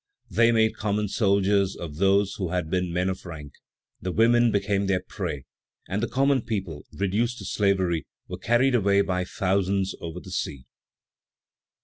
They made common soldiers of those who had been men of rank; the women became their prey, and the common people, reduced to slavery, were carried away by thousands over the sea.